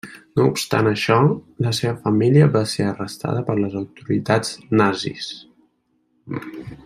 No obstant això, la seva família va ser arrestada per les autoritats nazis.